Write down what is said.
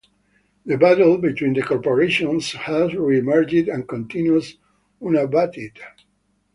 The battle between the Corporations has re-emerged and continues unabated.